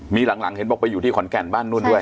มีหลังเห็นบอกไปอยู่ที่ขอนแก่นบ้านนู่นด้วย